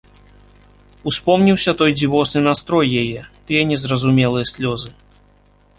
Успомніўся той дзівосны настрой яе, тыя незразумелыя слёзы.